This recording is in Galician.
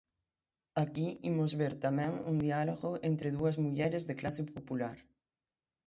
Aquí imos ver tamén un diálogo entre dúas mulleres de clase popular.